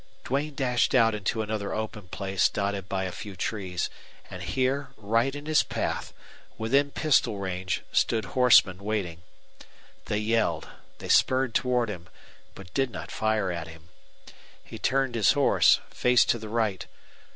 Duane dashed out into another open place dotted by few trees, and here, right in his path, within pistol range, stood horsemen waiting. They yelled, they spurred toward him, but did not fire at him. He turned his horse faced to the right.